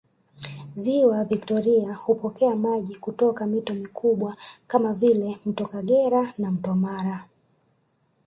Ziwa Victoria hupokea maji kutoka mito mikubwa kama vile mto Kagera na mto Mara